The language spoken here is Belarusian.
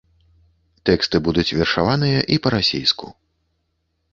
Тэксты будуць вершаваныя і па-расейску.